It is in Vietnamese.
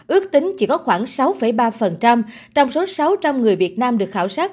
ước tính chỉ có khoảng sáu ba trong số sáu trăm linh người việt nam được khảo sát